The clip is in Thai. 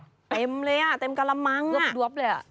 เต็มเลยอ่ะเต็มกระมังอ่ะ